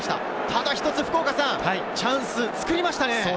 ただ一つチャンスを作りましたね。